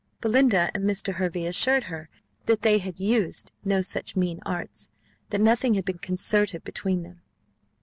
Belinda and Mr. Hervey assured her that they had used no such mean arts, that nothing had been concerted between them.